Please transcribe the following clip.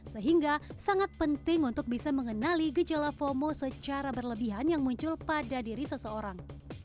sehingga sangat penting untuk bisa mengenali gejala fomo secara berlebihan yang muncul pada diri seseorang